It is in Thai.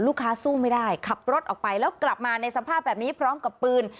สู้ไม่ได้ขับรถออกไปแล้วกลับมาในสภาพแบบนี้พร้อมกับปืน